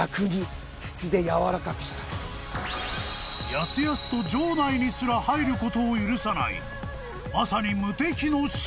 ［やすやすと城内にすら入ることを許さないまさに無敵の城］